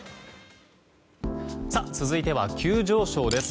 続いては急上昇です。